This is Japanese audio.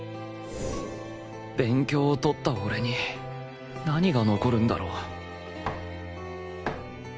勉強を取った俺に何が残るんだろう？